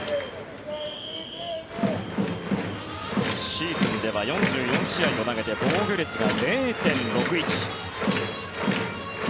シーズンでは４４試合を投げて防御率が０．６１。